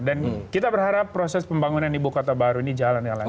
dan kita berharap proses pembangunan ibu kota baru ini jalan yang lancar